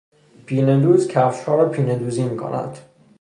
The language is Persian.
پینهدوز کفشها را پینهدوزی میکند.